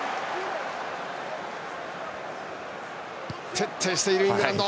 徹底しているイングランド。